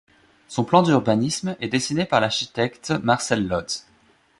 Son plan d'urbanisme est dessiné par l'architecte Marcel Lods.